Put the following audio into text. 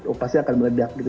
oh pasti akan meledak gitu